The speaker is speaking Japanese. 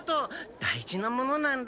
大事なものなんだ。